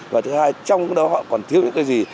và thứ hai trong đó họ còn thiếu những cái gì